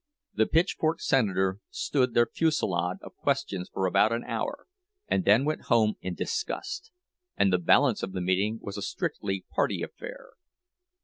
The "pitchfork senator" stood their fusillade of questions for about an hour, and then went home in disgust, and the balance of the meeting was a strictly party affair.